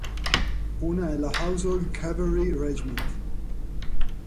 Una è la Household Cavalry Regiment.